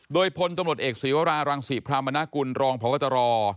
โดยพลตำรวจเอกศีวรารังศรีพรามนากุลรองพบตร